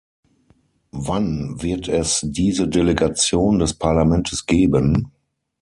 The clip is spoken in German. Wann wird es diese Delegation des Parlamentes geben?